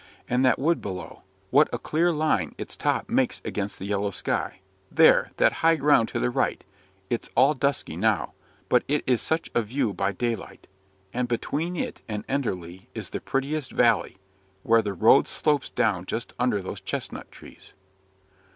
And that wood below; what a clear line its top makes against the yellow sky! There, that high ground to the right; it's all dusky now, but it is such a view by daylight. And between it and Enderley is the prettiest valley, where the road slopes down just under those chestnut trees."